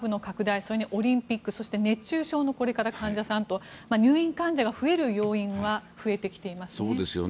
それにオリンピックそして熱中症の患者さんと入院患者が増える要因は増えてきていますね。